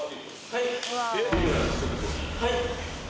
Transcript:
はい！